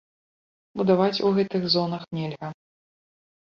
Будаваць у гэтых зонах нельга.